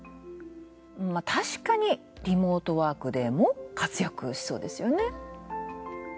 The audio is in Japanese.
まぁたしかにリモートワークでも活躍しそうですよね。